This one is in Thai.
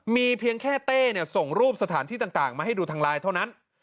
มีเพียงแค่เต้ส่งรูปสถานที่ต่างมาให้ดูทางไลน์เท่านั้น